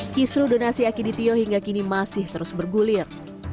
kisru donasi akiditio hingga kini masih terus bergulir